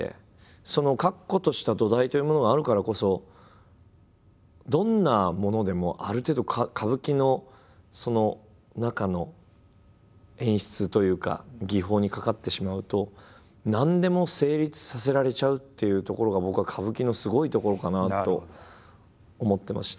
その確固とした土台というものがあるからこそどんなものでもある程度歌舞伎のその中の演出というか技法にかかってしまうと何でも成立させられちゃうっていうところが僕は歌舞伎のすごいところかなと思ってまして。